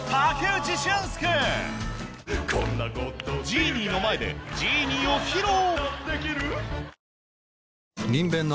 ジーニーの前でジーニーを披露